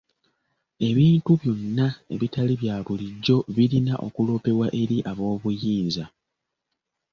Ebintu byonna ebitali bya bulijjo birina okuloopebwa eri ab'obuyinza.